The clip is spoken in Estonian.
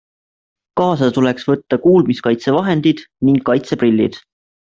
Kaasa tuleks võtta kuulmiskaitsevahendid ning kaitseprillid.